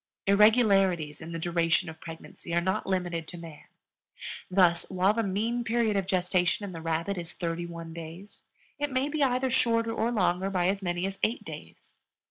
Irregularities in the duration of pregnancy are not limited to man. Thus, while the mean period of gestation in the rabbit is thirty one days, it may be either shorter or longer by as many as eight days.